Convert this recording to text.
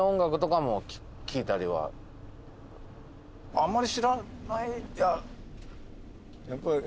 あんまり知らないいや。